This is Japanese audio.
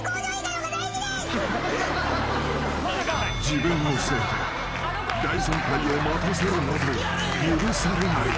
［自分のせいで大先輩を待たせるなど許されない］